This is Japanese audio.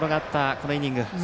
このイニング。